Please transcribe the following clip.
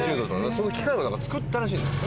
その機械を作ったらしいんですね。